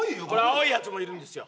青いやつもいるんですよ。